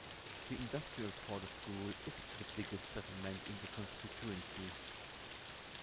The industrial port of Goole is the biggest settlement in the constituency.